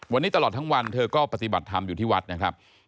วันนี้ตลอดทั้งวันเธอก็ปฏิบัติธรรมอยู่ที่วัดนะครับ